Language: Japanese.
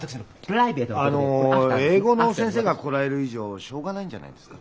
あの英語の先生が来られる以上しょうがないんじゃないですか？